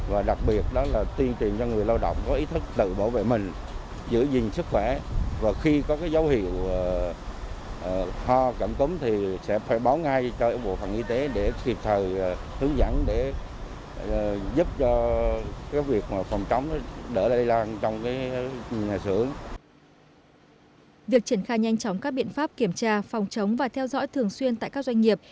việc triển khai nhanh chóng các biện pháp kiểm tra phòng chống và theo dõi thường xuyên tại các doanh nghiệp